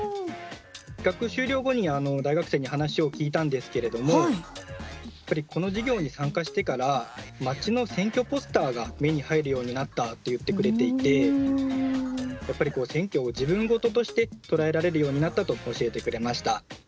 企画終了後に大学生に話を聞いたんですがこの授業に参加してから町の選挙ポスターが目に入るようになったって言ってくれていて、やっぱり選挙を自分ごととしてとらえられるようになったと教えてくれました。